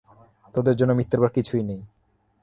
তোদের জন্য মৃত্যুর পর কিছুই নেই।